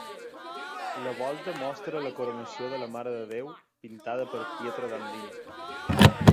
La volta mostra la "Coronació de la Mare de Déu" pintada per Pietro Dandini.